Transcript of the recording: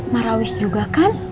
marawis juga kan